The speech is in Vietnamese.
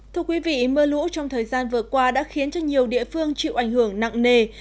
thưa quý vị mưa lũ trong thời gian vừa qua đã khiến cho nhiều địa phương chịu ảnh hưởng nặng nề